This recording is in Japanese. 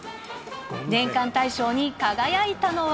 年間大賞に輝いたのは。